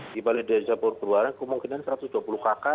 di balai desa purbarang kemungkinan satu ratus dua puluh kakak